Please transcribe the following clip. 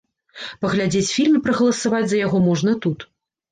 Паглядзець фільм і прагаласаваць за яго можна тут.